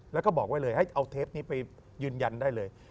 แล้วก็บอกไว้เลยให้เอาเทปนี้ไปยืนยันได้เลย